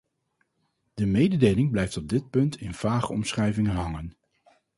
De mededeling blijft op dit punt in vage omschrijvingen hangen.